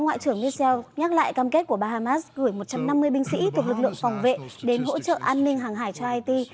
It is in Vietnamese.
ngoại trưởng michel nhắc lại cam kết của bahamas gửi một trăm năm mươi binh sĩ từ lực lượng phòng vệ đến hỗ trợ an ninh hàng hải cho haiti